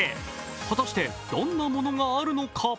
果たしてどんなものがあるのか。